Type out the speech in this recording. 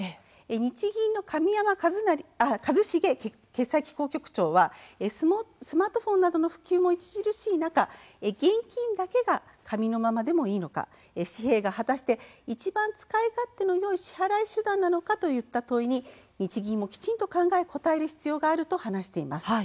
日銀の神山一成決済機構局長はスマートフォンなどの普及も著しい中、現金だけが、紙のままでもいいのか紙幣が果たしていちばん使い勝手のよい支払い手段なのかといった問いに日銀もきちんと考えこたえる必要があると話しています。